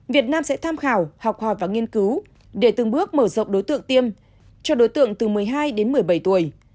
việt nam sẽ tham khảo học hỏi và nghiên cứu để từng bước mở rộng đối tượng tiêm cho đối tượng từ một mươi hai đến một mươi bảy tuổi